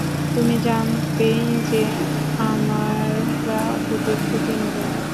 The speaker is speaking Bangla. তুমি জানতেই যে, আমরা ওদের খুঁজে নেবো।